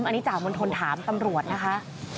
อันนี้ใจอาหารจนถามตำรวจฯนะคะ